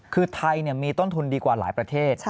คือไทยมีต้นทุนดีกว่าหลายประเทศ